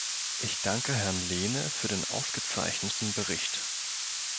Ich danke Herrn Lehne für den ausgezeichneten Bericht.